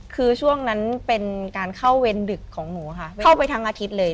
คือช่วงนั้นเป็นการเข้าเวรดึกของหนูค่ะเข้าไปทั้งอาทิตย์เลย